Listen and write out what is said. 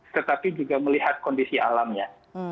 tetapi juga melihat kondisi alamnya